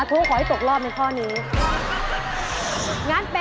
อ๋อนี่คือร้านเดียวกันเหรออ๋อนี่คือร้านเดียวกันเหรอ